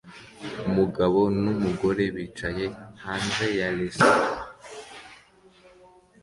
Umugabo numugore bicaye hanze ya resitora